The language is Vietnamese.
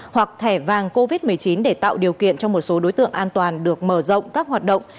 hoặc thẻ vàng covid một mươi chín để tạo điều kiện cho một số đối tượng an toàn được mở rộng các hoạt động